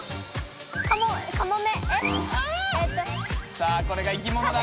さあこれがいきものだ。